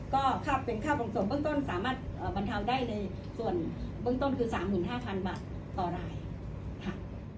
ก็ค่าเป็นค่าปรงสมเบื้องต้นสามารถอ่าบรรเทาได้ในส่วนเบื้องต้นคือสามหมื่นห้าพันบาทต่อรายค่ะ